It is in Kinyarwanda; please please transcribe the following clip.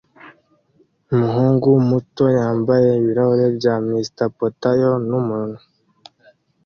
Umuhungu muto yambaye ibirahuri bya Mr Potao numunwa